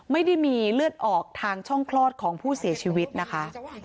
ไม่ได้มีเลือดออกทางช่องคลอดของผู้เสียชีวิตนะคะ